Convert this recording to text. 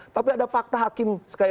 tapi ada fakta hakim